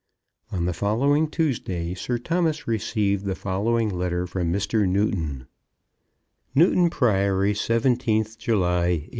On the following Tuesday Sir Thomas received the following letter from Mr. Newton: Newton Priory, 17th July, 186